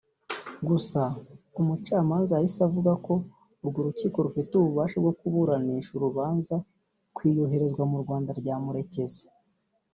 Gusa umucamanza yahise avuga ko urwo rukiko rufite ububasha bwo kuburanisha urubanza ku iyoherezwa mu Rwanda rya Murekezi